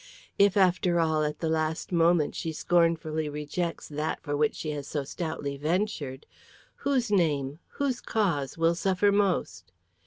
If, after all, at the last moment she scornfully rejects that for which she has so stoutly ventured, whose name, whose cause, will suffer most?